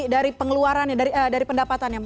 dari pengeluaran dari pendapatannya